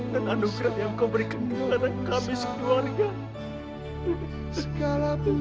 dan anugerah yang kau berikan kepada kami sekeluarnya